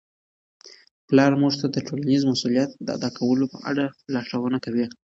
پلار موږ ته د ټولنیز مسؤلیت د ادا کولو په اړه لارښوونه کوي.